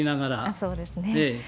そうですね。